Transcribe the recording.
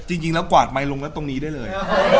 จริงแล้วกวาดไมค์ลงแล้วตรงนี้ได้เลย